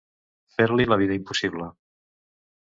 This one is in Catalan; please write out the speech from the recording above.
Fer-li la vida impossible.